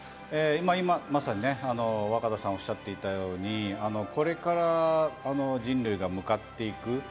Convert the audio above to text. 今まさに若田さんがおっしゃっていたように、これから人類が向かっていく